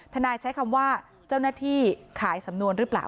ใช้คำว่าเจ้าหน้าที่ขายสำนวนหรือเปล่า